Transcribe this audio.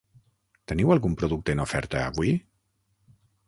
Teniu algun producte en oferta avui?